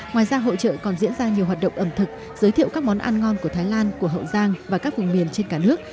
ngoài ra hỗ trợ còn diễn ra nhiều hoạt động ẩm thực giới thiệu các món ăn ngon của thái lan của hậu giang và các vùng miền trên cả nước